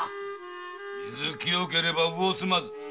「水清ければ魚住まず」